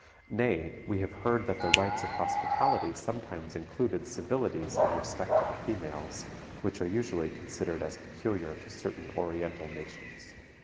Nay, we have heard that the rites of hospitality sometimes included civilities in respect to the females which are usually considered as peculiar to certain Oriental nations.